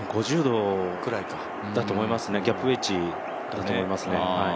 ５０度ぐらいだと思いますね。